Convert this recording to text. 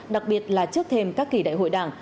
đặc biệt là trước thêm các kỳ đại hội đảng